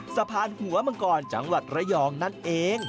สะพานหัวมังกรจังหวัดระยองนั่นเอง